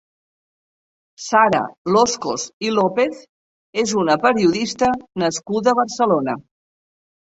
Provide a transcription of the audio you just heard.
Sara Loscos i López és una periodista nascuda a Barcelona.